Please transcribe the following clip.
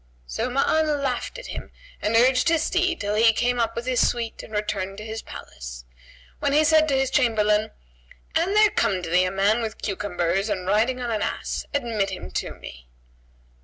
So Ma'an laughed at him and urged his steed till he came up with his suite and returned to his place, when he said to his chamberlain, "An there come to thee a man with cucumbers and riding on an ass admit him to me."